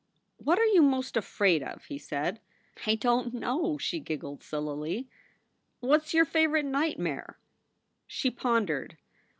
"What are you most afraid of?" he said. "I don t know," she giggled, sillily. "What s your favorite nightmare?" She pondered.